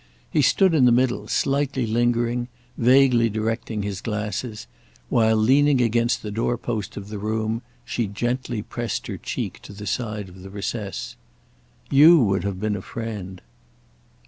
He stood in the middle, slightly lingering, vaguely directing his glasses, while, leaning against the door post of the room, she gently pressed her cheek to the side of the recess. "You would have been a friend."